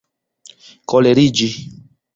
koleriĝi